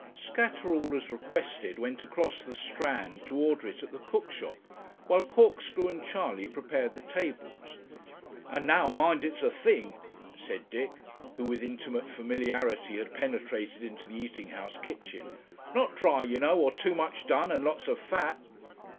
Scatterall, as requested, went across the Strand to order it at the cookshop, while Corkscrew and Charley prepared the tables. 'And now mind it's the thing,' said Dick, who, with intimate familiarity, had penetrated into the eating house kitchen; 'not dry, you know, or too much done; and lots of fat.'